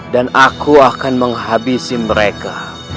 dan aku akan menghabisi mereka